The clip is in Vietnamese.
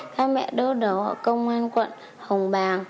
các mẹ đỡ đầu công an quận hồng bàng